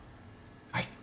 はい。